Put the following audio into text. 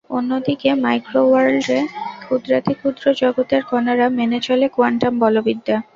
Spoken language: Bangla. অন্যদিকে মাইক্রোওয়ার্ল্ডের ক্ষুদ্রাতিক্ষুদ্র জগতের কণারা মেনে চলে কোয়ান্টাম বলবিদ্যা।